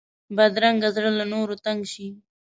بدرنګه زړه له نورو تنګ شي